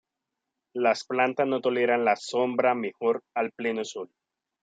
Las plantas no toleran la sombra, mejor a pleno sol.